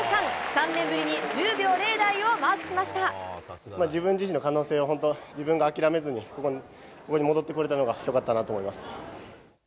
３年ぶりに１０秒０台をマークし自分自身の可能性を本当、自分が諦めずに、ここに戻ってこれたのがよかったなと思います。